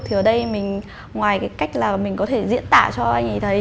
thì ở đây mình ngoài cái cách là mình có thể diễn tả cho anh ấy thấy